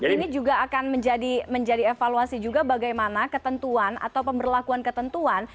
ini juga akan menjadi evaluasi juga bagaimana ketentuan atau pemberlakuan ketentuan